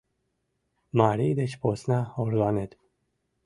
— Марий деч посна орланет.